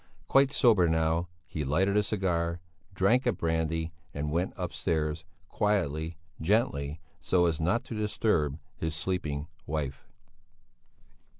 Quite sober now, he lighted a cigar, drank a brandy, and went upstairs, quietly, gently, so as not to disturb his sleeping wife.